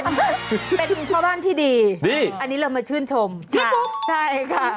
แต่วันนี้เอาอีกนะคะเป็นความที่ดีอันนี้เรามาชื่นชมค่ะใช่ปุ๊บใช่ค่ะ